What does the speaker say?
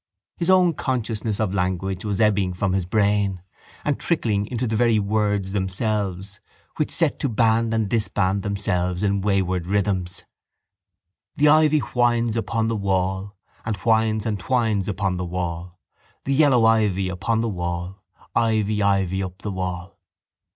His own consciousness of language was ebbing from his brain and trickling into the very words themselves which set to band and disband themselves in wayward rhythms: The ivy whines upon the wall, And whines and twines upon the wall, The yellow ivy upon the wall, Ivy, ivy up the wall.